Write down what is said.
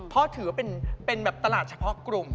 เพราะถือว่าเป็นแบบตลาดเฉพาะกลุ่ม